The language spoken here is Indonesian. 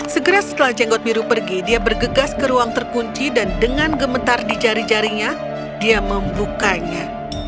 segera setelah jenggot biru pergi dia bergegas ke ruang terkunci dan dengan gemetar di jari jarinya dia membukanya